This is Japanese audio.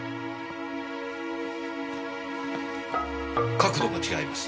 角度が違います。